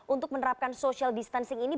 untuk menerapkan social distancing ini